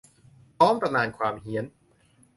พร้อมตำนานความเฮี้ยน